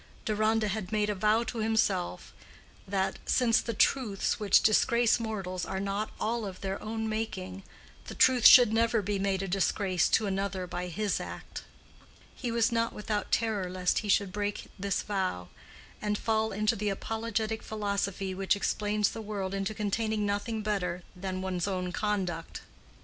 Deronda had made a vow to himself that—since the truths which disgrace mortals are not all of their own making—the truth should never be made a disgrace to another by his act. He was not without terror lest he should break this vow, and fall into the apologetic philosophy which explains the world into containing nothing better than one's own conduct.